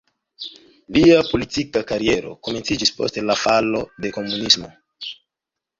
Lia politika kariero komenciĝis post la falo de komunismo.